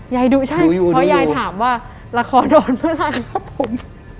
ยายดูใช่เพราะยายถามว่าละครโดนเมื่อไหร่ครับผม